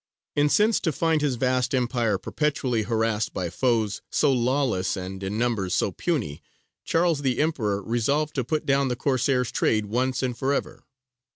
Incensed to find his vast empire perpetually harassed by foes so lawless and in numbers so puny, Charles the Emperor resolved to put down the Corsairs' trade once and for ever.